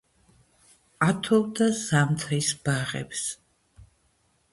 ათოვდა ზამთრის ბაღებს